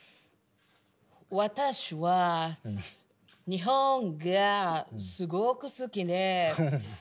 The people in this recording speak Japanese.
私は日本がすごく好きで。